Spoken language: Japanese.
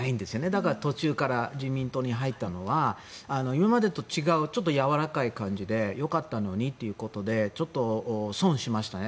だから途中から自民党に入ったのは今までと違うちょっとやわらかい感じでよかったのにということでちょっと損しましたね。